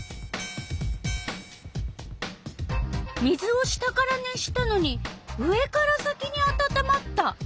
水を下から熱したのに上から先にあたたまった。